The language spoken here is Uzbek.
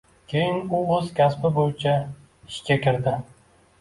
Keyin u o‘z kasbi bo‘yicha ishga kirdi.